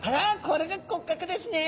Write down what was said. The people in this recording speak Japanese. これが骨格ですね！